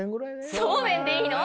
そうめんでいいの？